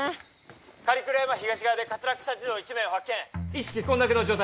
狩倉山東側で滑落した児童１名を発見意識混濁の状態